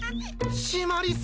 シマリス！